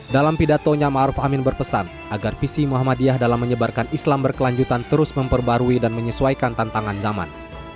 dalam pidatonya ⁇ maruf ⁇ amin berpesan agar visi muhammadiyah dalam menyebarkan islam berkelanjutan terus memperbarui dan menyesuaikan tantangan zaman